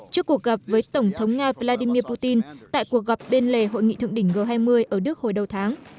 trước cuộc gặp với tổng thống nga vladimir putin tại cuộc gặp bên lề hội nghị thượng đỉnh g hai mươi ở đức hồi đầu tháng